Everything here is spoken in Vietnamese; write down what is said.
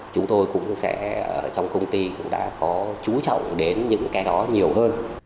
chúng tôi cũng sẽ ở trong công ty cũng đã có chú trọng đến những cái đó nhiều hơn